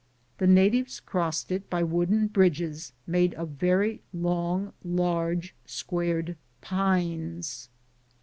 The natives crossed it by wooden bridges, made of very long, large, squared pines.